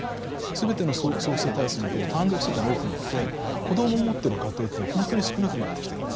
すべての総世帯数における単独世帯が多くなって子どもを持ってる家庭っていうのはほんとに少なくなってきてる。